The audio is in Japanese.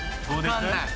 分かんない。